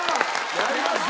やりました！